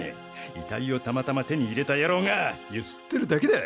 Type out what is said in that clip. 遺体をたまたま手に入れたヤローが強請ってるだけだ。